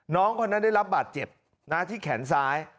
น้องคนนั้นได้รับบาดเจ็บที่แขนซ้าย